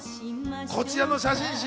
こちらの写真集。